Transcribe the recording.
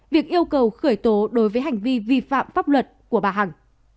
việc yêu cầu khởi tố đối với hành vi vi phạm pháp luật của bà hằng